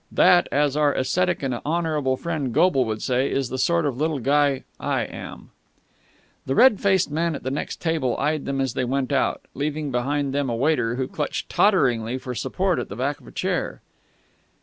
That, as our ascetic and honourable friend Goble would say, is the sort of little guy I am!" The red faced man at the next table eyed them as they went out, leaving behind them a waiter who clutched totteringly for support at the back of a chair.